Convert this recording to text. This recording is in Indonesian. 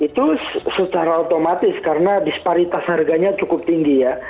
itu secara otomatis karena disparitas harganya cukup tinggi ya